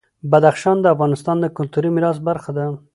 بدخشان د افغانستان د کلتوري میراث برخه ده.